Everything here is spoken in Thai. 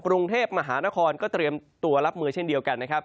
กรุงเทพมหานครก็เตรียมตัวรับมือเช่นเดียวกันนะครับ